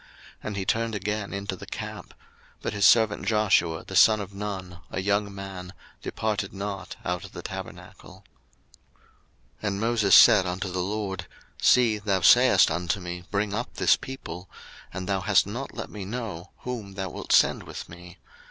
And he turned again into the camp: but his servant Joshua, the son of Nun, a young man, departed not out of the tabernacle. 02:033:012 And Moses said unto the LORD, See, thou sayest unto me, Bring up this people: and thou hast not let me know whom thou wilt send with me.